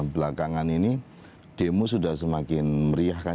belakangan ini demo sudah semakin meriah kan